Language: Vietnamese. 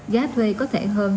giá thuê có thể tăng đến